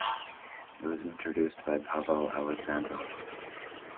It was introduced by Pavel Alexandrov.